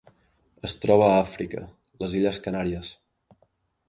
Es troba a Àfrica: les illes Canàries.